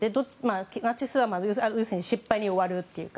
ナチスは要するに失敗に終わるというか。